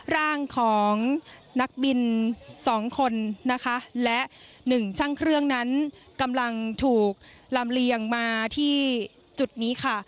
ร่างของนักบินสองคนนะคะและหนึ่งช่างเครื่องนั้นกำลังถูกลำเลียงมาที่จุดนี้ค่ะ